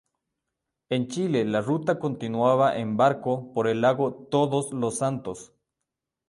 En Chile la ruta continuaba en barco por el lago Todos los Santos.